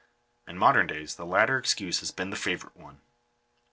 In modern days the latter excuse has been the favourite one.